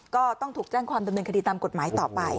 ก็ต้องถูกแจ้งความดำเนินคดีตามกฎหมายต่อไป